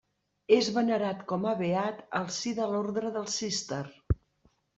És venerat com a beat al si de l'Orde del Cister.